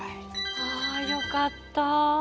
あよかった。